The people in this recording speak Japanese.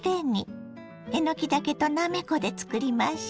えのきだけとなめこで作りましょ。